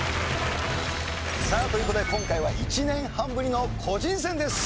さあという事で今回は１年半ぶりの個人戦です。